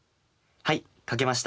はい書けました。